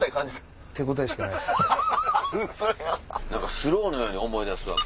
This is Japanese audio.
スローのように思い出すわ。